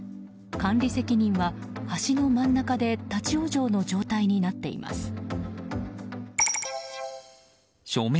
管理責任は、橋の真ん中で立ち往生の状態になっています。